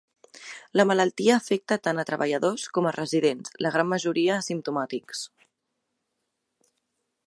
La malaltia afecta tant a treballadors com a residents, la gran majoria asimptomàtics.